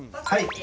はい。